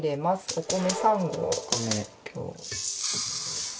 お米３合。